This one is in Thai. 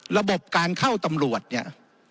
ระบบการเข้าตำรวจเนี่ย